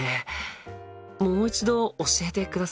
もう一度教えてください。